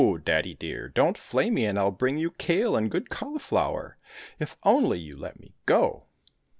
daddy dear ! don't flay me, and I'll bring you kale and good cauliflower, if only you let me go